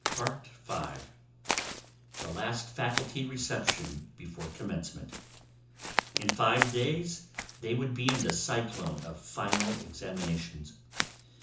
V The last faculty reception before commencement. In five days they would be in the cyclone of final examinations.